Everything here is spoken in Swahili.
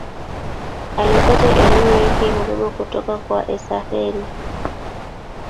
Alipata elimu yake ya mapema kutoka kwa Esakhel.